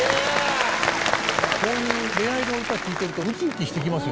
こういう恋愛の歌を聴いてるとウキウキしてきますよね。